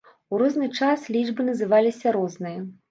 У розны час лічбы называліся розныя.